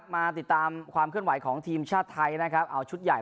มาติดตามความเคลื่อนไหวของทีมชาติไทยนะครับเอาชุดใหญ่